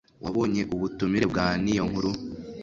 Wabonye ubutumire bwa Niyonkuru?